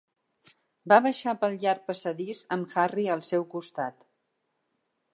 Va baixar pel llarg passadís amb Harry al seu costat.